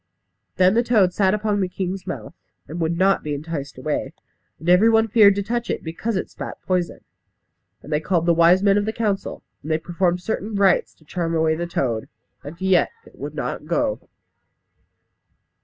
Then the toad sat upon the king's mouth, and would not be enticed away. And every one feared to touch it because it spat poison. And they called the wise men of the council; and they performed certain rites to charm away the toad, and yet it would not go.